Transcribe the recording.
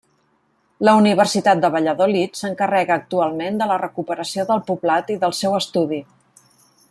La Universitat de Valladolid s'encarrega actualment de la recuperació del poblat i del seu estudi.